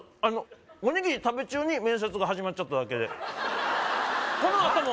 あのおにぎり食べ中に面接が始まっちゃっただけではあ？